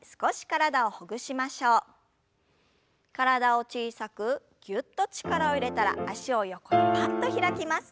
体を小さくぎゅっと力を入れたら脚を横にぱっと開きます。